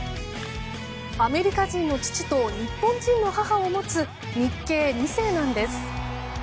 アメリカ人の父と日本人の母を持つ日系２世なんです。